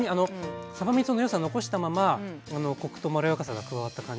さばみその良さ残したままコクとまろやかさが加わった感じで。